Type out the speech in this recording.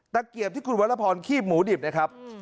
เกียบที่คุณวรพรคีบหมูดิบนะครับ